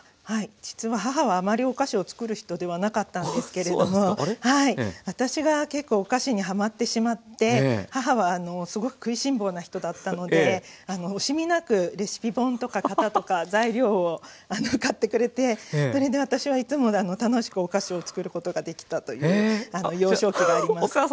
はい実は母はあまりお菓子をつくる人ではなかったんですけれども私が結構お菓子にハマってしまって母はすごく食いしん坊な人だったので惜しみなくレシピ本とか型とか材料を買ってくれてそれで私はいつも楽しくお菓子をつくることができたという幼少期があります。